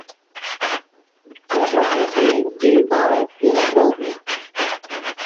Ferrocarril Bilbao La Robla.